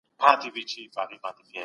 شل منفي شپږ؛ څوارلس کېږي.